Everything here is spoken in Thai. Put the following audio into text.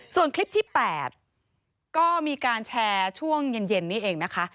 ส่วนคลิปที่๘ก็มีการแชร์ช่วงเย็นนี้เองนะคะ